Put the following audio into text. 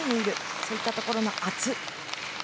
そういったところの圧。